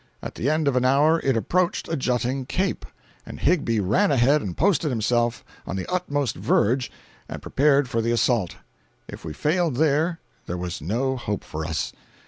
At the end of an hour it approached a jutting cape, and Higbie ran ahead and posted himself on the utmost verge and prepared for the assault. If we failed there, there was no hope for us.